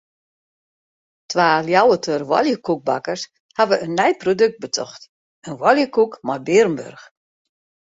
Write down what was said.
Twa Ljouwerter oaljekoekbakkers hawwe in nij produkt betocht: in oaljekoek mei bearenburch.